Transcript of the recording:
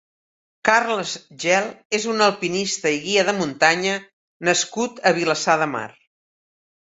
Carles Gel és un alpinista i guia de muntanya nascut a Vilassar de Mar.